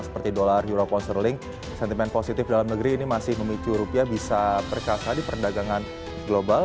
seperti dolar euro concern sentimen positif dalam negeri ini masih memicu rupiah bisa perkasa di perdagangan global